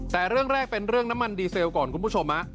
แต่เรื่องแรกเป็นเรื่องน้ำมันดีเซลก่อนคุณผู้ชม